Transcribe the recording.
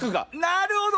なるほど！